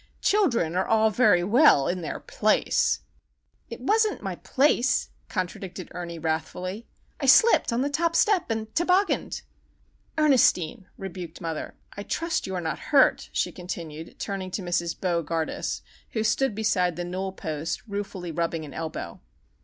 "Children are all very well in their place!" "It wasn't my place," contradicted Ernie, wrathfully. "I slipped on the top step and tobogganed!" "Ernestine!" rebuked mother. "I trust you are not hurt," she continued, turning to Mrs. Bo gardus, who stood beside the newel post, ruefully rubbing an elbow.